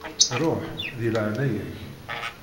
Ruḥ, deg leεnaya-k.